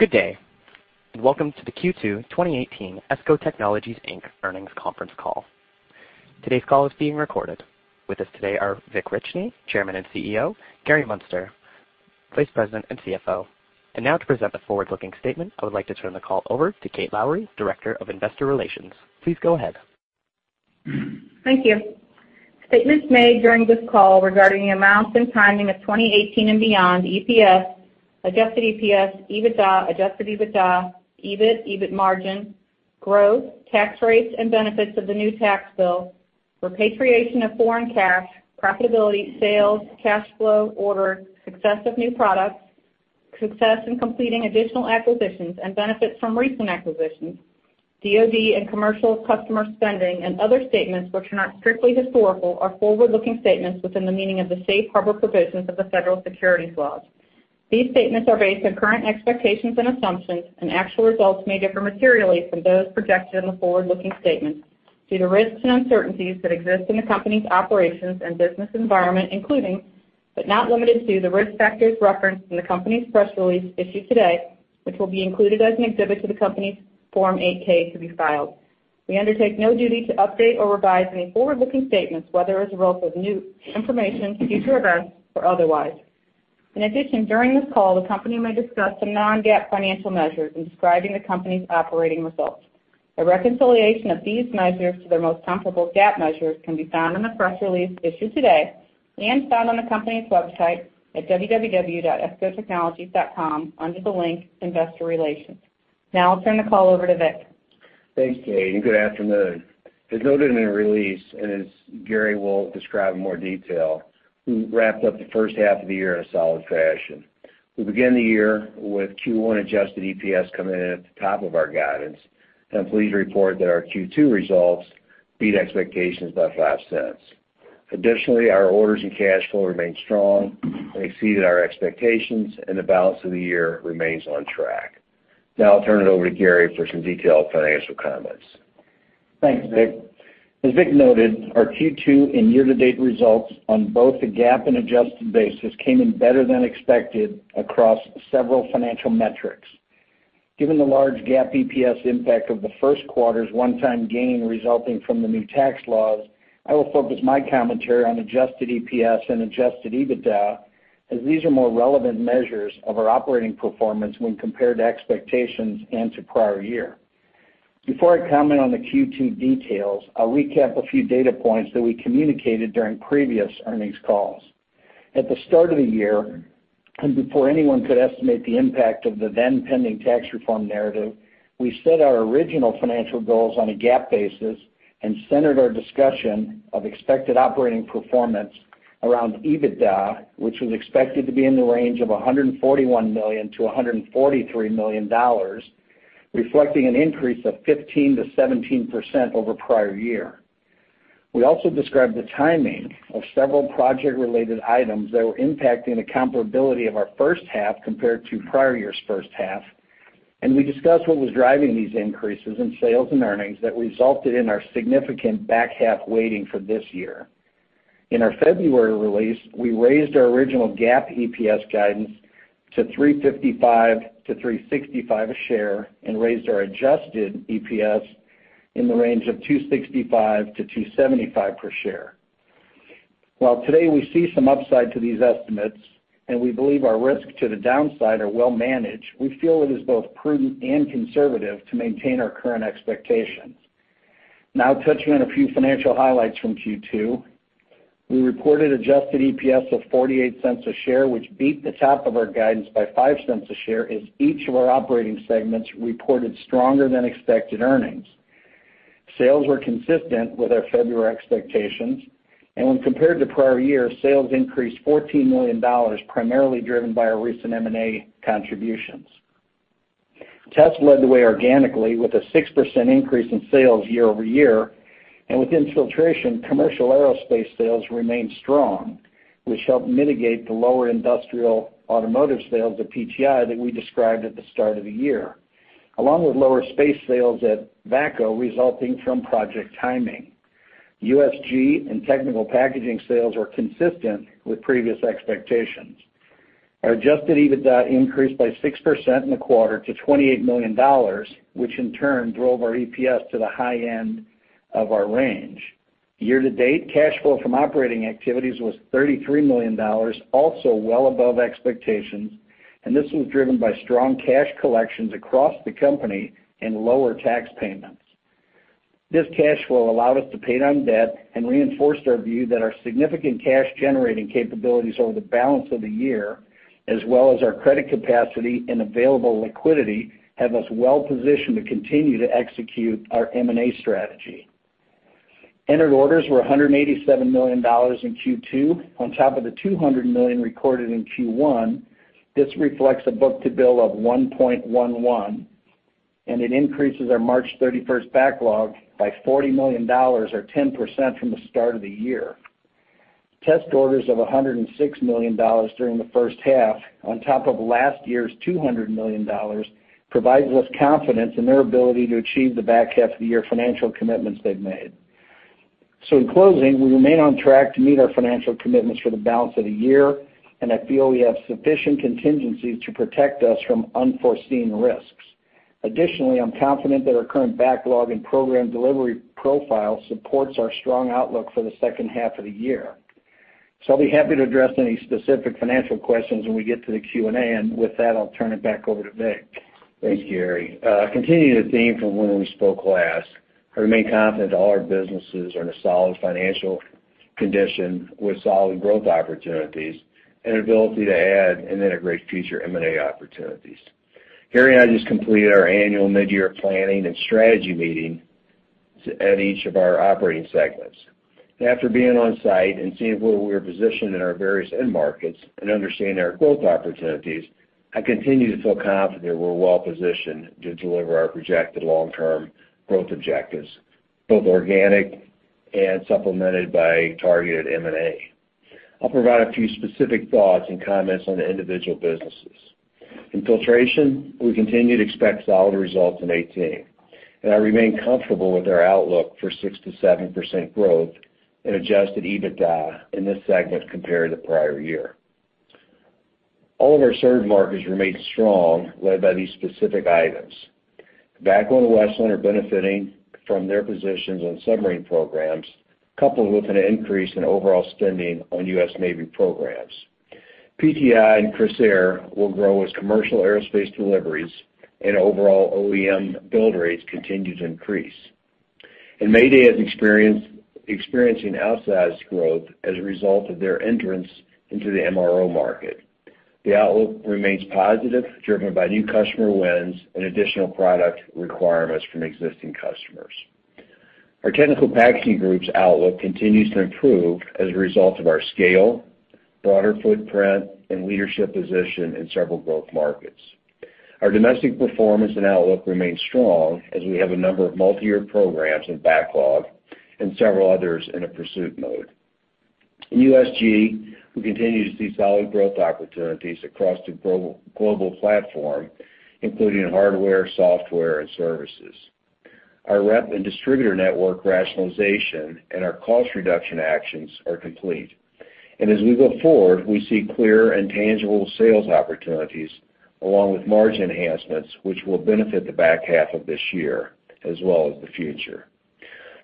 Good day and welcome to the Q2 2018 ESCO Technologies, Inc. earnings conference call. Today's call is being recorded. With us today are Vic Richey, Chairman and CEO, Gary Muenster, Vice President and CFO. Now to present the forward-looking statement, I would like to turn the call over to Kate Lowrey, Director of Investor Relations. Please go ahead. Thank you. Statements made during this call regarding the amounts and timing of 2018 and beyond EPS, adjusted EPS, EBITDA, adjusted EBITDA, EBIT, EBIT margin, growth, tax rates and benefits of the new tax bill, repatriation of foreign cash, profitability, sales, cash flow, orders, success of new products, success in completing additional acquisitions and benefits from recent acquisitions, DoD and commercial customer spending, and other statements which are not strictly historical are forward-looking statements within the meaning of the safe harbor provisions of the federal securities laws. These statements are based on current expectations and assumptions, and actual results may differ materially from those projected in the forward-looking statements due to risks and uncertainties that exist in the company's operations and business environment, including, but not limited to, the risk factors referenced in the company's press release issued today, which will be included as an exhibit to the company's Form 8-K to be filed. We undertake no duty to update or revise any forward-looking statements, whether as a result of new information, future events, or otherwise. In addition, during this call, the company may discuss some non-GAAP financial measures in describing the company's operating results. A reconciliation of these measures to their most comparable GAAP measures can be found in the press release issued today and found on the company's website at www.escotechnologies.com under the link Investor Relations. Now I'll turn the call over to Vic. Thanks, Kate, and good afternoon. As noted in the release, and as Gary will describe in more detail, we wrapped up the first half of the year in a solid fashion. We began the year with Q1 Adjusted EPS coming in at the top of our guidance, and I'm pleased to report that our Q2 results beat expectations by $0.05. Additionally, our orders and cash flow remained strong and exceeded our expectations, and the balance of the year remains on track. Now I'll turn it over to Gary for some detailed financial comments. Thanks, Vic. As Vic noted, our Q2 and year-to-date results on both the GAAP and adjusted basis came in better than expected across several financial metrics. Given the large GAAP EPS impact of the first quarter's one-time gain resulting from the new tax laws, I will focus my commentary on adjusted EPS and adjusted EBITDA as these are more relevant measures of our operating performance when compared to expectations and to prior year. Before I comment on the Q2 details, I'll recap a few data points that we communicated during previous earnings calls. At the start of the year and before anyone could estimate the impact of the then-pending tax reform narrative, we set our original financial goals on a GAAP basis and centered our discussion of expected operating performance around EBITDA, which was expected to be in the range of $141 million-$143 million, reflecting an increase of 15%-17% over prior year. We also described the timing of several project-related items that were impacting the comparability of our first half compared to prior year's first half, and we discussed what was driving these increases in sales and earnings that resulted in our significant back-half weighting for this year. In our February release, we raised our original GAAP EPS guidance to $3.55-$3.65 per share and raised our adjusted EPS in the range of $2.65-$2.75 per share. While today we see some upside to these estimates and we believe our risk to the downside are well managed, we feel it is both prudent and conservative to maintain our current expectations. Now touching on a few financial highlights from Q2. We reported Adjusted EPS of $0.48 per share, which beat the top of our guidance by $0.05 per share as each of our operating segments reported stronger than expected earnings. Sales were consistent with our February expectations, and when compared to prior-year, sales increased $14 million, primarily driven by our recent M&A contributions. Test led the way organically with a 6% increase in sales year-over-year, and with Filtration, commercial aerospace sales remained strong, which helped mitigate the lower industrial automotive sales of PTI that we described at the start of the year, along with lower space sales at VACCO resulting from project timing. USG and Technical Packaging sales were consistent with previous expectations. Our adjusted EBITDA increased by 6% in the quarter to $28 million, which in turn drove our EPS to the high end of our range. Year-to-date, cash flow from operating activities was $33 million, also well above expectations, and this was driven by strong cash collections across the company and lower tax payments. This cash flow allowed us to pay down debt and reinforced our view that our significant cash-generating capabilities over the balance of the year, as well as our credit capacity and available liquidity, have us well positioned to continue to execute our M&A strategy. Entered orders were $187 million in Q2 on top of the $200 million recorded in Q1. This reflects a book-to-bill of 1.11, and it increases our March 31st backlog by $40 million, or 10%, from the start of the year. Test orders of $106 million during the first half on top of last year's $200 million provides us confidence in their ability to achieve the back half of the year financial commitments they've made. So in closing, we remain on track to meet our financial commitments for the balance of the year, and I feel we have sufficient contingencies to protect us from unforeseen risks. Additionally, I'm confident that our current backlog and program delivery profile supports our strong outlook for the second half of the year. I'll be happy to address any specific financial questions when we get to the Q&A, and with that, I'll turn it back over to Vic. Thanks, Gary. Continuing the theme from when we spoke last, I remain confident all our businesses are in a solid financial condition with solid growth opportunities and an ability to add and integrate future M&A opportunities. Gary and I just completed our annual mid-year planning and strategy meeting at each of our operating segments. After being on site and seeing where we were positioned in our various end markets and understanding our growth opportunities, I continue to feel confident we're well positioned to deliver our projected long-term growth objectives, both organic and supplemented by targeted M&A. I'll provide a few specific thoughts and comments on the individual businesses. In Filtration, we continue to expect solid results in 2018, and I remain comfortable with our outlook for 6%-7% growth in adjusted EBITDA in this segment compared to prior year. All of our core markets remain strong led by these specific items. VACCO and Westland are benefiting from their positions on submarine programs, coupled with an increase in overall spending on U.S. Navy programs. PTI and Crissair will grow as commercial aerospace deliveries and overall OEM build rates continue to increase. And Mayday is experiencing outsized growth as a result of their entrance into the MRO market. The outlook remains positive, driven by new customer wins and additional product requirements from existing customers. Our Technical Packaging group's outlook continues to improve as a result of our scale, broader footprint, and leadership position in several growth markets. Our domestic performance and outlook remain strong as we have a number of multi-year programs in backlog and several others in a pursuit mode. In USG, we continue to see solid growth opportunities across the global platform, including hardware, software, and services. Our rep and distributor network rationalization and our cost reduction actions are complete. As we go forward, we see clear and tangible sales opportunities along with margin enhancements, which will benefit the back half of this year as well as the future.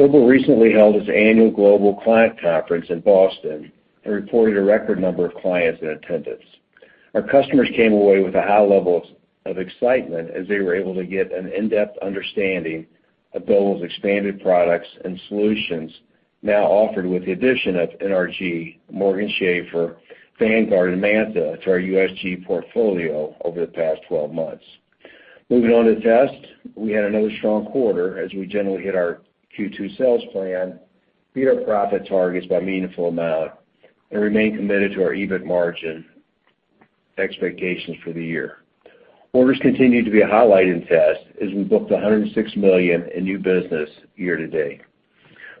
Doble recently held its annual global client conference in Boston and reported a record number of clients in attendance. Our customers came away with a high level of excitement as they were able to get an in-depth understanding of Doble's expanded products and solutions now offered with the addition of NRG, Morgan Schaffer, Vanguard, and Manta to our USG portfolio over the past 12 months. Moving on to Test, we had another strong quarter as we generally hit our Q2 sales plan, beat our profit targets by a meaningful amount, and remain committed to our EBIT margin expectations for the year. Orders continue to be a highlight in Test as we booked $106 million in new business year-to-date.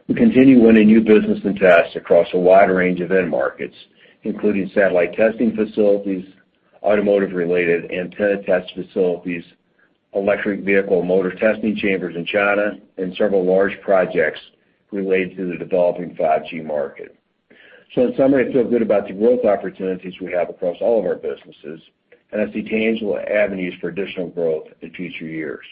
We continue winning new business in Test across a wide range of end markets, including satellite testing facilities, automotive-related antenna test facilities, electric vehicle motor testing chambers in China, and several large projects related to the developing 5G market. So in summary, I feel good about the growth opportunities we have across all of our businesses, and I see tangible avenues for additional growth in future years.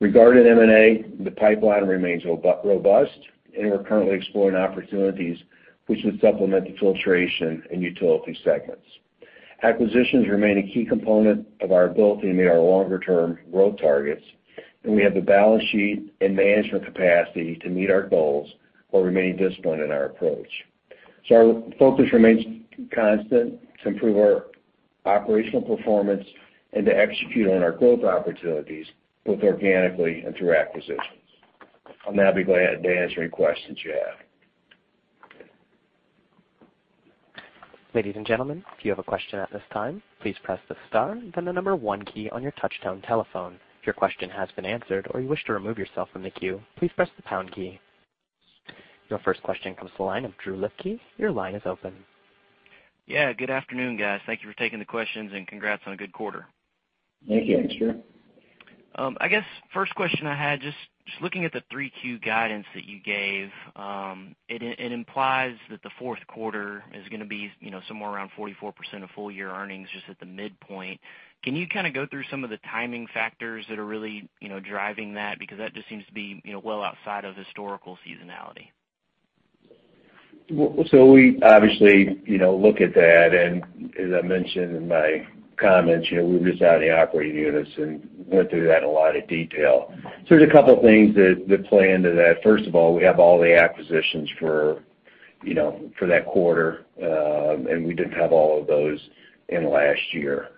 Regarding M&A, the pipeline remains robust, and we're currently exploring opportunities which would supplement the Filtration and utility segments. Acquisitions remain a key component of our ability to meet our longer-term growth targets, and we have the balance sheet and management capacity to meet our goals while remaining disciplined in our approach. So our focus remains constant to improve our operational performance and to execute on our growth opportunities both organically and through acquisitions. I'll now be glad to be answering questions you have. Ladies and gentlemen, if you have a question at this time, please press the star, then the number one key on your touch-tone telephone. If your question has been answered or you wish to remove yourself from the queue, please press the pound key. Your first question comes to the line of Drew Lipke. Your line is open. Yeah. Good afternoon, guys. Thank you for taking the questions, and congrats on a good quarter. Thank you. I guess first question I had, just looking at the Q3 guidance that you gave, it implies that the fourth quarter is going to be somewhere around 44% of full-year earnings, just at the midpoint. Can you kind of go through some of the timing factors that are really driving that? Because that just seems to be well outside of historical seasonality. So we obviously look at that, and as I mentioned in my comments, we were just out in the operating units and went through that in a lot of detail. So there's a couple of things that play into that. First of all, we have all the acquisitions for that quarter, and we didn't have all of those in last year.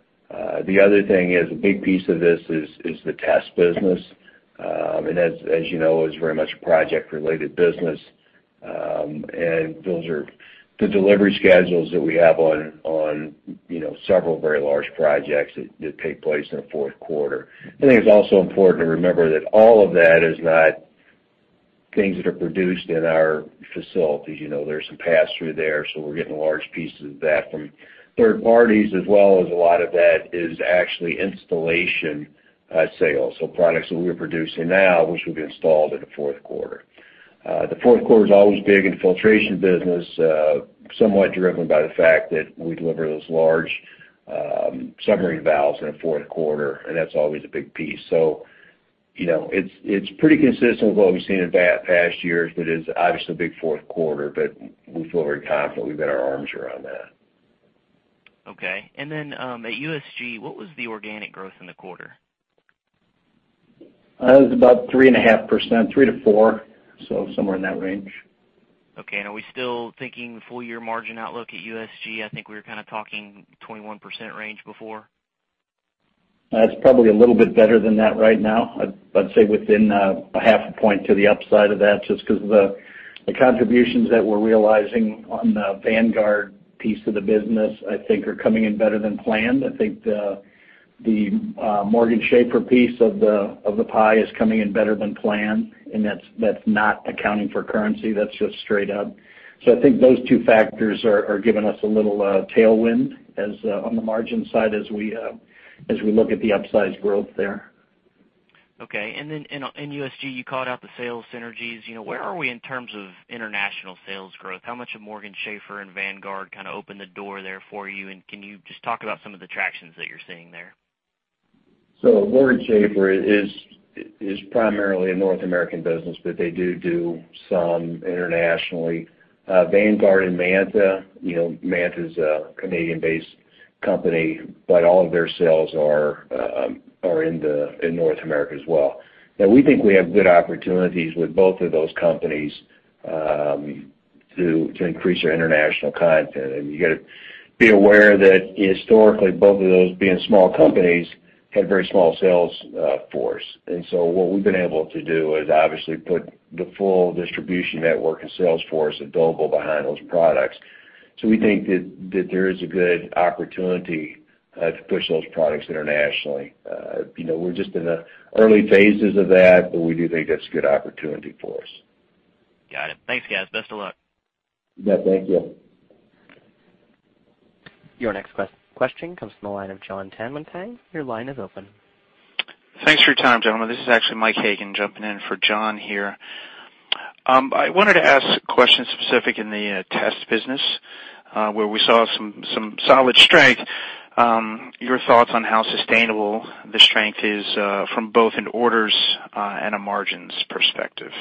The other thing is a big piece of this is the test business. And as you know, it's very much a project-related business, and those are the delivery schedules that we have on several very large projects that take place in the fourth quarter. I think it's also important to remember that all of that is not things that are produced in our facilities. There's some pass-through there, so we're getting large pieces of that from third parties, as well as a lot of that is actually installation sales, so products that we're producing now, which will be installed in the fourth quarter. The fourth quarter is always big in the Filtration business, somewhat driven by the fact that we deliver those large submarine valves in the fourth quarter, and that's always a big piece. So it's pretty consistent with what we've seen in past years, but it's obviously a big fourth quarter, but we feel very confident we've got our arms around that. Okay. And then at USG, what was the organic growth in the quarter? It was about 3.5%, 3%-4%, so somewhere in that range. Okay. Are we still thinking full-year margin outlook at USG? I think we were kind of talking 21% range before. That's probably a little bit better than that right now. I'd say within a half a point to the upside of that, just because the contributions that we're realizing on the Vanguard piece of the business, I think, are coming in better than planned. I think the Morgan Schaffer piece of the pie is coming in better than planned, and that's not accounting for currency. That's just straight up. So I think those two factors are giving us a little tailwind on the margin side as we look at the upsized growth there. Okay. And then in USG, you called out the sales synergies. Where are we in terms of international sales growth? How much have Morgan Schaffer and Vanguard kind of opened the door there for you? And can you just talk about some of the traction that you're seeing there? So Morgan Schaffer is primarily a North American business, but they do do some internationally. Vanguard and Manta, Manta's a Canadian-based company, but all of their sales are in North America as well. Now, we think we have good opportunities with both of those companies to increase our international content. And you got to be aware that historically, both of those being small companies had very small sales force. And so what we've been able to do is obviously put the full distribution network and sales force at Doble behind those products. So we think that there is a good opportunity to push those products internationally. We're just in the early phases of that, but we do think that's a good opportunity for us. Got it. Thanks, guys. Best of luck. Yeah. Thank you. Your next question comes from the line of Jon Tanwanteng. Your line is open. Thanks for your time, gentlemen. This is actually Mike Hagan jumping in for Jon here. I wanted to ask questions specific in the test business where we saw some solid strength. Your thoughts on how sustainable the strength is from both an orders and a margins perspective?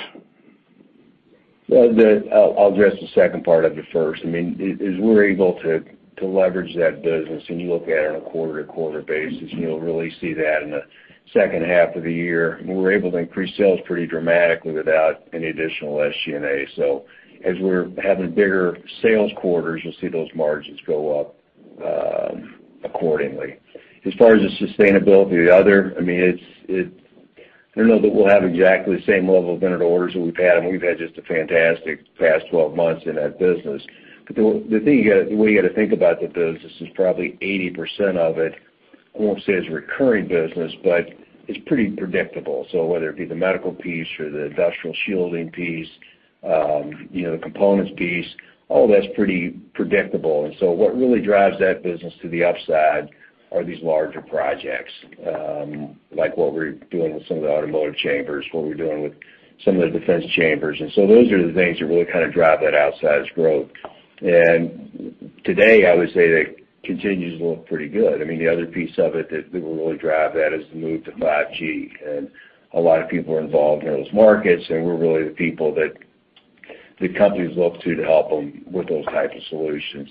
Well, I'll address the second part of your first. I mean, as we're able to leverage that business, and you look at it on a quarter-to-quarter basis, you'll really see that in the second half of the year. We're able to increase sales pretty dramatically without any additional SG&A. So as we're having bigger sales quarters, you'll see those margins go up accordingly. As far as the sustainability of the other, I mean, I don't know that we'll have exactly the same level of entered orders that we've had. I mean, we've had just a fantastic past 12 months in that business. But the thing you got to the way you got to think about that business is probably 80% of it I won't say it's recurring business, but it's pretty predictable. So whether it be the medical piece or the industrial shielding piece, the components piece, all that's pretty predictable. And so what really drives that business to the upside are these larger projects like what we're doing with some of the automotive chambers, what we're doing with some of the defense chambers. And so those are the things that really kind of drive that outsized growth. And today, I would say that continues to look pretty good. I mean, the other piece of it that will really drive that is the move to 5G. And a lot of people are involved in those markets, and we're really the people that the companies look to to help them with those types of solutions.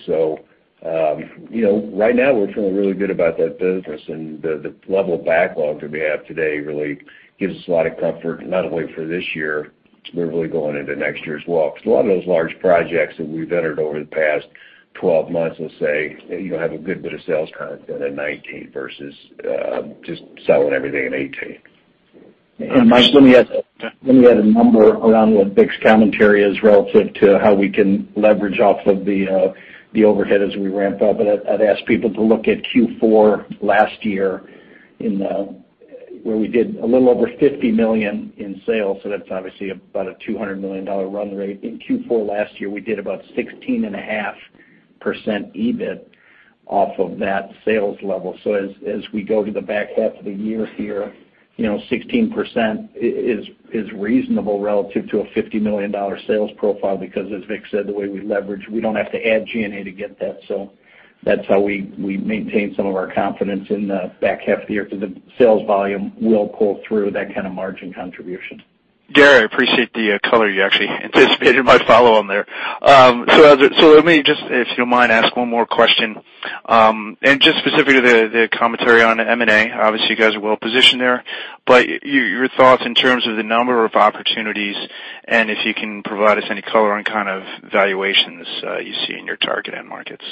Right now, we're feeling really good about that business, and the level of backlog that we have today really gives us a lot of comfort, not only for this year. We're really going into next year as well. Because a lot of those large projects that we've entered over the past 12 months, let's say, have a good bit of sales content in 2019 versus just selling everything in 2018. Mike, let me add a number around what Vic's commentary is relative to how we can leverage off of the overhead as we ramp up. I'd ask people to look at Q4 last year where we did a little over $50 million in sales. That's obviously about a $200 million run rate. In Q4 last year, we did about 16.5% EBIT off of that sales level. As we go to the back half of the year here, 16% is reasonable relative to a $50 million sales profile because, as Vic said, the way we leverage, we don't have to add G&A to get that. That's how we maintain some of our confidence in the back half of the year because the sales volume will pull through that kind of margin contribution. Gary, I appreciate the color. You actually anticipated my follow-on there. So let me just, if you don't mind, ask one more question. And just specifically the commentary on M&A, obviously, you guys are well positioned there. But your thoughts in terms of the number of opportunities and if you can provide us any color on kind of valuations you see in your target end markets?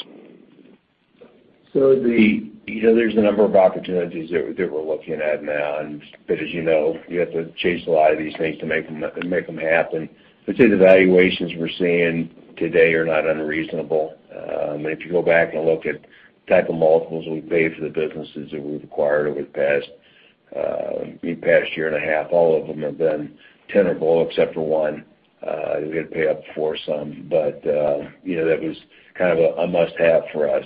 There's the number of opportunities that we're looking at now. As you know, you have to chase a lot of these things to make them happen. I'd say the valuations we're seeing today are not unreasonable. If you go back and look at the type of multiples we paid for the businesses that we've acquired over the past year and a half, all of them have been tenable except for one. We had to pay up for some. That was kind of a must-have for us.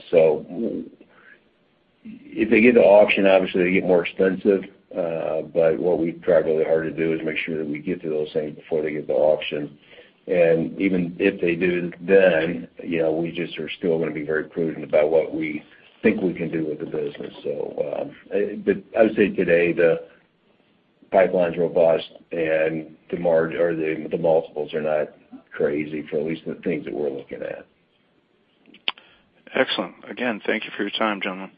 If they get to auction, obviously, they get more expensive. What we've tried really hard to do is make sure that we get to those things before they get to auction. Even if they do, then we just are still going to be very prudent about what we think we can do with the business. But I would say today, the pipeline's robust, and the multiples are not crazy for at least the things that we're looking at. Excellent. Again, thank you for your time, gentlemen.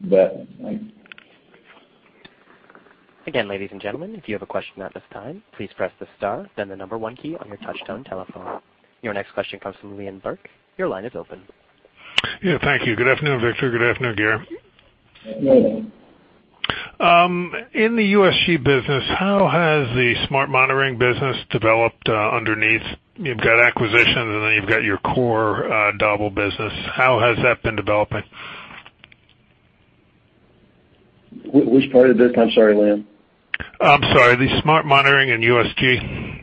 You bet. Thanks. Again, ladies and gentlemen, if you have a question at this time, please press the star, then the number one key on your touch-tone telephone. Your next question comes from Liam Burke. Your line is open. Yeah. Thank you. Good afternoon, Victor. Good afternoon, Gary. Good afternoon, guys. In the USG business, how has the smart monitoring business developed underneath? You've got acquisitions, and then you've got your core Doble business. How has that been developing? Which part of the business? I'm sorry, Liam. I'm sorry. The smart monitoring in USG?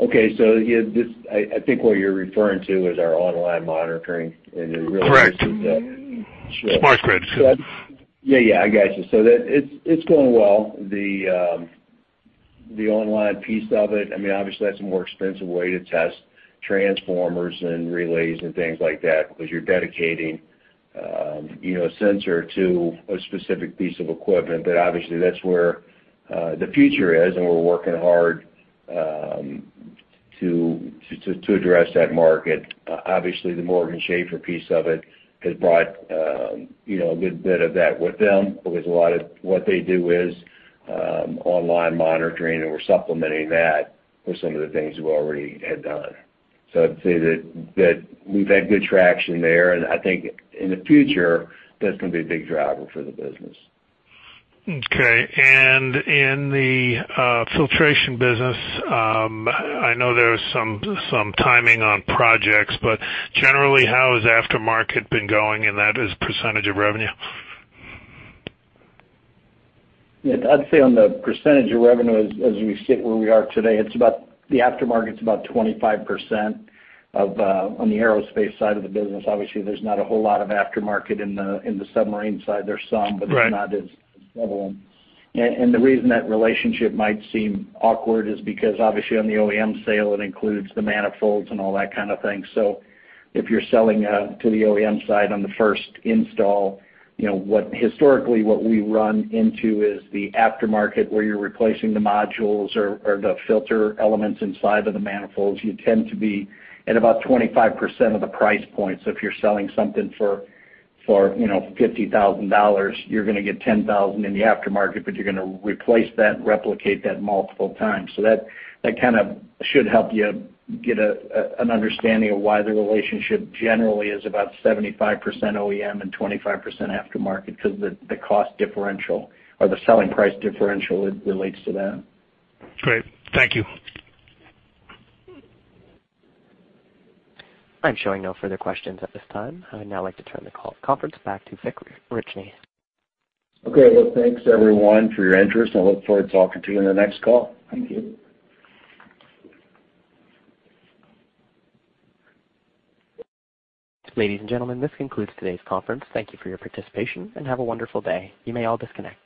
Okay. So I think what you're referring to is our online monitoring, and it really is the. Correct. Smart grid. Good. Yeah. Yeah. I got you. So it's going well. The online piece of it, I mean, obviously, that's a more expensive way to test transformers and relays and things like that because you're dedicating a sensor to a specific piece of equipment. But obviously, that's where the future is, and we're working hard to address that market. Obviously, the Morgan Schaffer piece of it has brought a good bit of that with them because a lot of what they do is online monitoring, and we're supplementing that with some of the things we already had done. So I'd say that we've had good traction there, and I think in the future, that's going to be a big driver for the business. Okay. And in the Filtration business, I know there's some timing on projects, but generally, how has aftermarket been going in that as percentage of revenue? Yeah. I'd say on the percentage of revenue, as we sit where we are today, the aftermarket's about 25% on the aerospace side of the business. Obviously, there's not a whole lot of aftermarket in the submarine side. There's some, but it's not as prevalent. And the reason that relationship might seem awkward is because, obviously, on the OEM sale, it includes the manifolds and all that kind of thing. So if you're selling to the OEM side on the first install, historically, what we run into is the aftermarket where you're replacing the modules or the filter elements inside of the manifolds. You tend to be at about 25% of the price point. So if you're selling something for $50,000, you're going to get $10,000 in the aftermarket, but you're going to replace that, replicate that multiple times. That kind of should help you get an understanding of why the relationship generally is about 75% OEM and 25% aftermarket because the cost differential or the selling price differential relates to that. Great. Thank you. I'm showing no further questions at this time. I would now like to turn the conference call back to Vic Richey. Okay. Well, thanks, everyone, for your interest. I look forward to talking to you in the next call. Thank you. Ladies and gentlemen, this concludes today's conference. Thank you for your participation, and have a wonderful day. You may all disconnect.